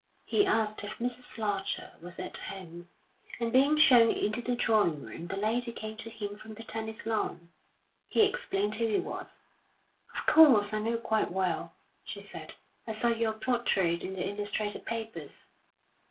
He asked if Mrs. Larcher was at home, and, being shown into the drawing room the lady came to him from the tennis lawn. He explained who he was. "Of course, I know quite well," she said. "I saw your portrait in the illustrated papers."